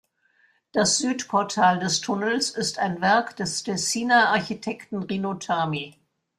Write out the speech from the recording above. Das Südportal des Tunnels ist ein Werk des Tessiner Architekten Rino Tami.